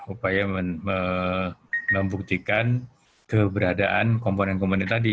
upaya membuktikan keberadaan komponen komponen tadi